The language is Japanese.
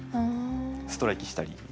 ストライキしたり。